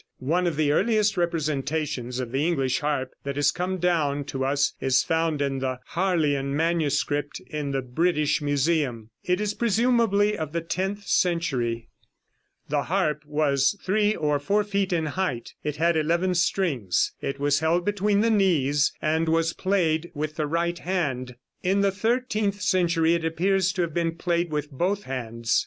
One of the earliest representations of the English harp that has come down to us is found in the Harleian manuscript in the British Museum. It is presumably of the tenth century. [Illustration: Fig. 21. KING DAVID. (From Saxon Psalter of the tenth century.)] The harp was three or four feet in height. It had eleven strings. It was held between the knees, and was played with the right hand. In the thirteenth century it appears to have been played with both hands.